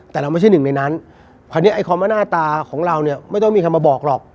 แต่เราไม่ใช่หนึ่งในนั้นคราวนี้ไอคำว่าหน้าตาของเราเนี่ยไม่ต้องมีคำมาบอกหรอก